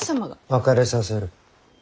別れさせる。